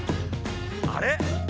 あれ？